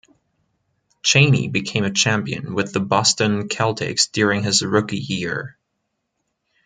Chaney became a champion with the Boston Celtics during his rookie year.